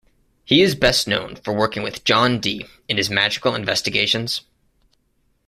He is best known for working with John Dee in his magical investigations.